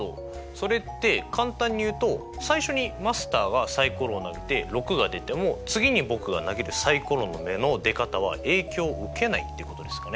それって簡単に言うと最初にマスターがサイコロを投げて６が出ても次に僕が投げるサイコロの目の出方は影響を受けないっていうことですかね。